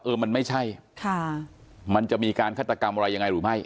มันไม่ใช่ค่ะมันจะมีการฆาตกรรมอะไรยังไงหรือไม่